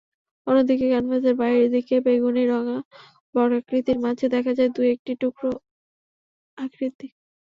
অন্যদিকে, ক্যানভাসের বাইরের দিকে বেগুনিরঙা বর্গাকৃতির মাঝে দেখা যায় দু-একটি টুকরো আকৃতি।